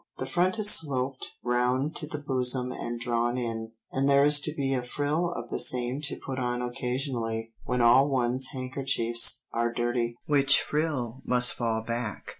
The front is sloped round to the bosom and drawn in, and there is to be a frill of the same to put on occasionally when all one's handkerchiefs are dirty, which frill must fall back.